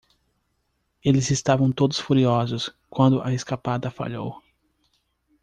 Eles estavam todos furiosos quando a escapada falhou.